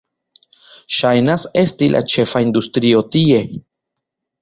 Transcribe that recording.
Ŝajnas esti la ĉefa industrio tie.